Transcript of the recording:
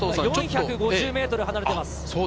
４５０ｍ離れています。